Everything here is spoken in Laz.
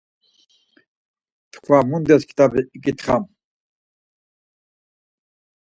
Tkva mundes kitabi iǩitxam?